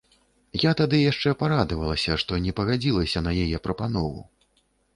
Я тады яшчэ парадавалася, што не пагадзілася на яе прапанову.